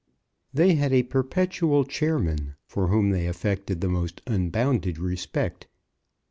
They had a perpetual chairman, for whom they affected the most unbounded respect.